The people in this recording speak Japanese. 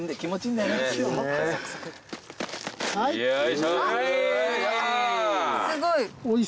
はい。